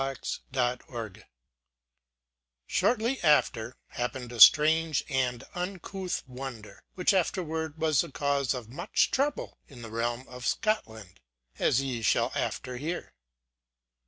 1515–1573) SHORTLY after happened a strange and uncouth wonder, which afterward was the cause of much trouble in the realm of Scotland, as ye shall after hear.